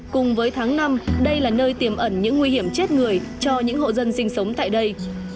cùng với tháng năm đây là nơi tiềm ẩn những nguy hiểm chết người cho những hộ dân sinh sống tại đây